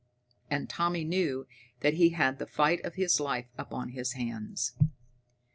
And Tommy knew that he had the fight of his life upon his hands.